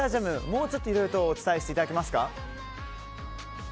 もうちょっといろいろとお伝えしていただけますか？